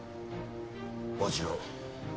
もちろん。